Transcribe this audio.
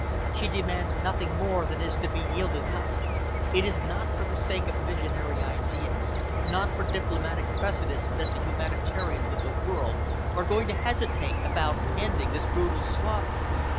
She demands nothing more than is to be yielded up. It is not for the sake of visionary ideas, not for diplomatic precedence that the humanitarians of the world are going to hesitate about ending this brutal slaughter."